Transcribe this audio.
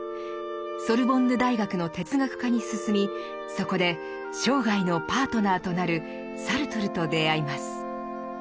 ソルボンヌ大学の哲学科に進みそこで生涯のパートナーとなるサルトルと出会います。